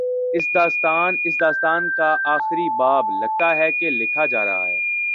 اس داستان کا آخری باب، لگتا ہے کہ لکھا جا رہا ہے۔